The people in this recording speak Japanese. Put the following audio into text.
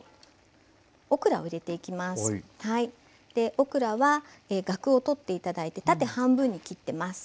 オクラはガクを取って頂いて縦半分に切ってます。